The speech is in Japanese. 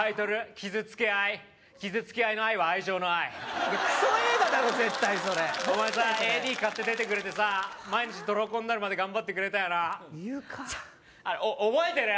「傷つけ愛」「傷つけ愛」の愛は「愛情」の愛クソ映画だろ絶対それお前さＡＤ買って出てくれてさ毎日どろんこになるまで頑張ってくれたよな覚えてる？